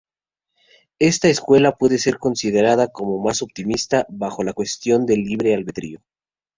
Esta escuela puede ser considerada como más optimista bajo la cuestión del libre albedrío.